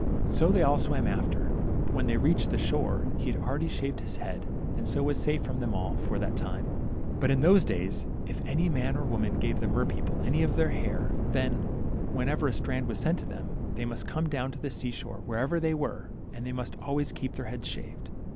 So they all swam after, but when they reached the shore, he had already shaved his head, and so was safe from them all for that time. But in those days, if any man or woman gave the mer people any of their hair, then, whenever a strand was sent to them, they must come down to the sea shore wherever they were, and they must always keep their heads shaved.